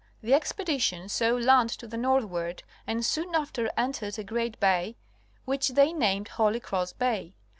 The expedition saw land to the northward and soon after entered a great bay which they named Holy Cross Bay.